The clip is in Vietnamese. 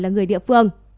người địa phương